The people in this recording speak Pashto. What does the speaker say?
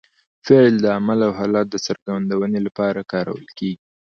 فعل د عمل او حالت د څرګندوني له پاره کارول کېږي.